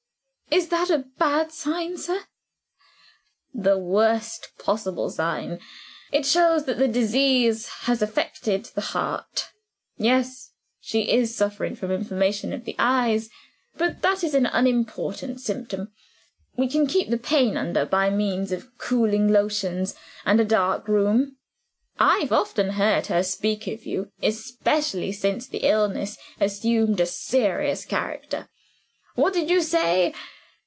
"Is that a bad sign, sir?" "The worst possible sign; it shows that the disease has affected the heart. Yes: she is suffering from inflammation of the eyes, but that is an unimportant symptom. We can keep the pain under by means of cooling lotions and a dark room. I've often heard her speak of you especially since the illness assumed a serious character. What did you say?